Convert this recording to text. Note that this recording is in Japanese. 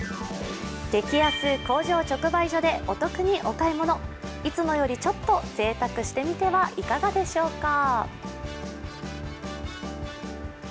激安工場直売所でお得にお買い物、いつもよりちょっとぜいたくしてみてはいかがでしょうか？